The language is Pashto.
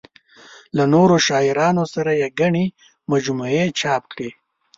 له نورو شاعرانو سره یې ګڼې مجموعې چاپ کړې.